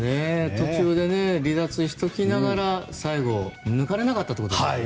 途中で離脱しておきながら最後、抜かれなかったということですね。